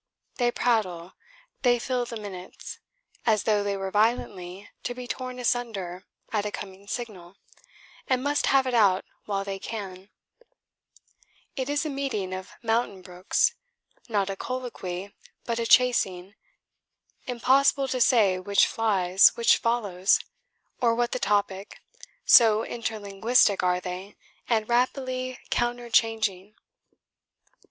They prattle, they fill the minutes, as though they were violently to be torn asunder at a coming signal, and must have it out while they can; it is a meeting of mountain brooks; not a colloquy, but a chasing, impossible to say which flies, which follows, or what the topic, so interlinguistic are they and rapidly counterchanging.